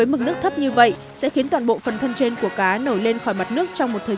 mực nước thấp như vậy sẽ khiến toàn bộ phần thân trên của cá nổi lên khỏi mặt nước trong một thời